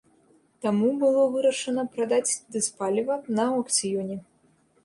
Таму было вырашана прадаць дызпаліва на аўкцыёне.